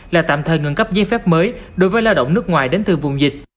là tạm thời ngừng cấp giấy phép mới đối với lao động nước ngoài đến từ vùng dịch